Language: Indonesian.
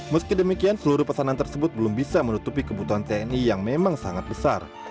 meski demikian seluruh pesanan tersebut belum bisa menutupi kebutuhan tni yang memang sangat besar